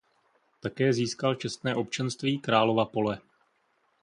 Také získal čestné občanství Králova Pole.